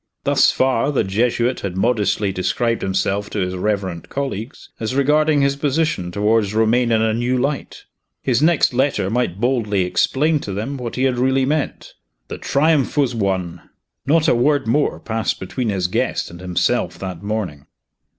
Thus far the Jesuit had modestly described himself to his reverend colleagues, as regarding his position toward Romayne in a new light. His next letter might boldly explain to them what he had really meant. The triumph was won. Not a word more passed between his guest and himself that morning.